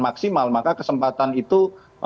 maksimal maka kesempatan itu